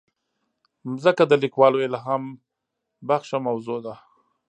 مځکه د لیکوالو الهامبخښه موضوع ده.